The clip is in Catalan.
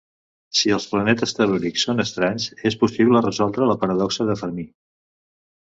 Si els planetes tel·lúrics són estranys, és possible resoldre la paradoxa de Fermi.